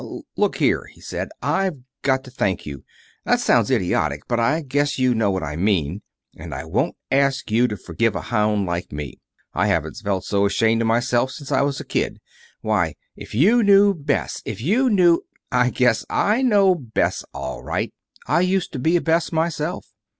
"Look here," he said. "I've got to thank you. That sounds idiotic, but I guess you know what I mean. And I won't ask you to forgive a hound like me. I haven't been so ashamed of myself since I was a kid. Why, if you knew Bess if you knew " "I guess I know Bess, all right. I used to be a Bess, myself.